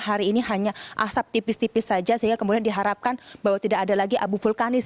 hari ini hanya asap tipis tipis saja sehingga kemudian diharapkan bahwa tidak ada lagi abu vulkanis